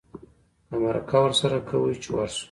که مرکه ورسره کوې چې ورشو.